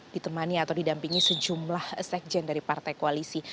ditemani atau didampingi sejumlah sekjen dari partai koalisi